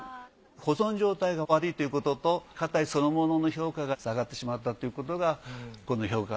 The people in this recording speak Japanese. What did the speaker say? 保存状態が悪いということと花袋そのものの評価が下がってしまったってことがこの評価。